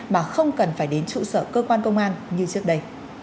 mà không cần phải đến trụ sở cơ quan công an như trước đây